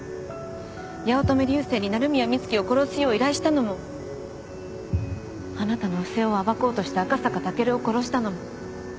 八乙女流星に鳴宮美月を殺すよう依頼したのもあなたの不正を暴こうとした赤坂武尊を殺したのも。